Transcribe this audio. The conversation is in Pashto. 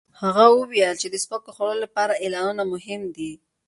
هغه وویل چې د سپکو خوړو لپاره اعلانونه مهم دي.